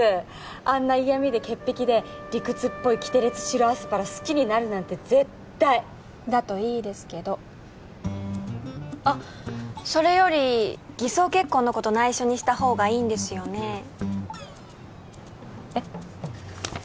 あんな嫌みで潔癖で理屈っぽいキテレツ白アスパラ好きになるなんて絶対だといいですけどあっそれより偽装結婚のこと内緒にした方がいいんですよねえっ？